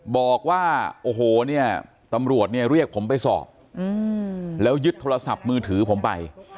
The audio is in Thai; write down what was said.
บอกว่าโอ้โหเนี่ยตำรวจเนี่ยเรียกผมไปสอบแล้วยึดโทรศัพท์มือถือผมไป